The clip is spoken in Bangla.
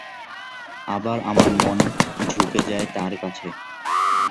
আবার আমার মন ঝুকে যায় তার কাছে।